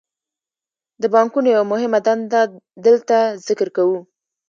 د بانکونو یوه مهمه دنده دلته ذکر کوو